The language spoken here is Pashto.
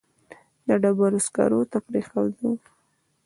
د ډبرو سکرو ته پرېښود.